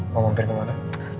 mau mampir kemana